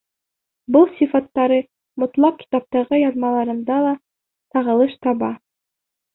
Был сифаттары мотлаҡ китаптағы яҙмаларында ла сағылыш таба.